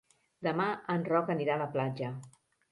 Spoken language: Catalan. Demà en Roc anirà a la platja.